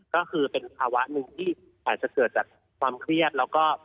ก็คือเป็นภาวะหนึ่งที่อาจจะเกิดจากความเครียดแล้วก็